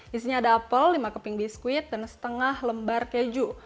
di sini ada apel lima keping biskuit dan setengah lembar keju